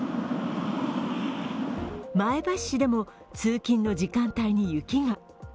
前橋市でも、通勤の時間帯に雪が。